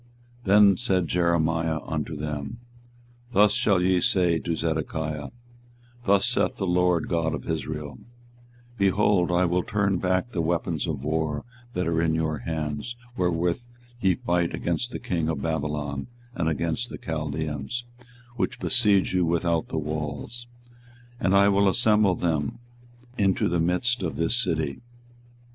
24:021:003 Then said Jeremiah unto them, Thus shall ye say to Zedekiah: 24:021:004 Thus saith the LORD God of Israel; Behold, I will turn back the weapons of war that are in your hands, wherewith ye fight against the king of Babylon, and against the Chaldeans, which besiege you without the walls, and I will assemble them into the midst of this city.